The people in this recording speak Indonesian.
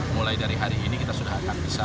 mulai dari hari ini kita sudah akan bisa